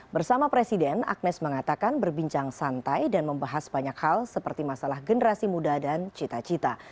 bersama presiden agnes mengatakan berbincang santai dan membahas banyak hal seperti masalah generasi muda dan cita cita